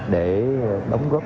để đóng góp